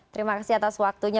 terima kasih atas waktunya